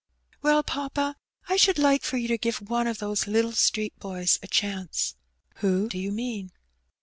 142 Heb Bennt. '* Well^ p&P&j I should like for you to give one of those little street boys a chance/' ''Who do you mean?